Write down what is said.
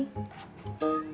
ambil kuenya enak